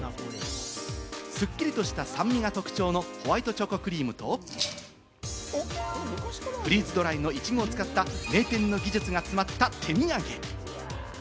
スッキリとした酸味が特徴のホワイトチョコクリームとフリーズドライのイチゴを使った名店の技術が詰まった手土産。